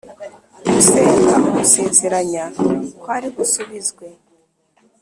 umusenga umusezeranya ko ari busubizwe